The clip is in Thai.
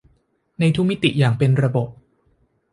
ในทุกมิติอย่างเป็นระบบ